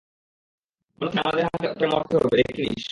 অন্যথায়, আমাদের হাতে তোকে মরতে হবে, দেখে নিস।